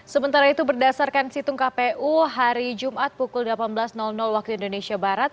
sementara itu berdasarkan situng kpu hari jumat pukul delapan belas waktu indonesia barat